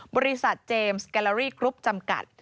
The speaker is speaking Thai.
บริษัทเจมส์แกลลารี่กรุ๊ปจำกัด